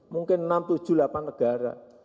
mungkin enam tujuh lapan negara